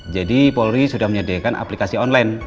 jadi polri sudah menyediakan aplikasi online